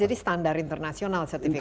jadi standar internasional sertifikat itu